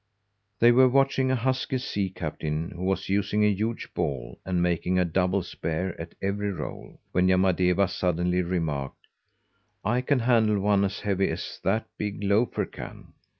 They were watching a husky sea captain, who was using a huge ball and making a "double spare" at every roll, when Yamadeva suddenly remarked, "I can handle one as heavy as that big loafer can."